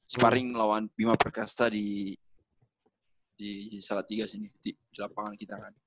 sparing lawan bima perkasa di salah tiga sini di lapangan kita kan